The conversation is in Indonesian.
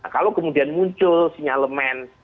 kalau kemudian muncul sinyalemen